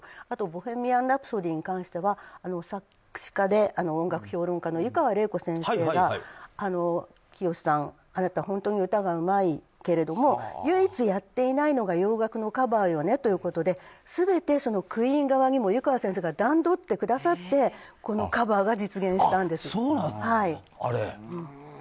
あと「ボヘミアン・ラプソディ」に関しては作詞家で音楽評論家の湯川れい子先生がきよしさん、あなた本当に歌がうまいけれども唯一やっていないのが洋楽のカバーよねということで全て、ＱＵＥＥＮ側にも湯川先生が段取ってくださってカバーが実現したんです。